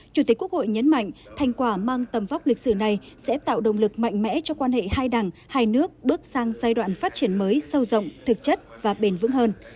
chủ tịch quốc hội nhấn mạnh thành quả mang tầm vóc lịch sử này sẽ tạo động lực mạnh mẽ cho quan hệ hai đảng hai nước bước sang giai đoạn phát triển mới sâu rộng thực chất và bền vững hơn